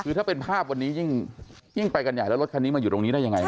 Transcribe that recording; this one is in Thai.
คือถ้าเป็นภาพวันนี้ยิ่งไปกันใหญ่แล้วรถคันนี้มาอยู่ตรงนี้ได้ยังไง